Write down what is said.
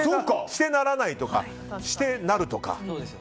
して、ならないとかして、なるとか。